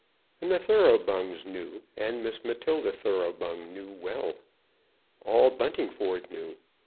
And the Thoroughbung's knew, and Miss Matilda Thoroughbung knew well. All Buntingford knew.